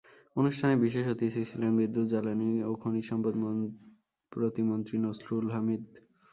অনুষ্ঠানে বিশেষ অতিথি ছিলেন বিদ্যুৎ, জ্বালানি ও খনিজসম্পদ প্রতিমন্ত্রী নসরুল হামিদ।